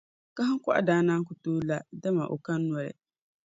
Kahiŋkɔɣu daa naan ku tooi la, dama o ka noli.